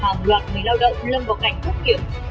hàng loạt người lao động lâm vào cảnh thất nghiệp